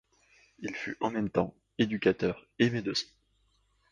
Il fut en même temps éducateur et médecin.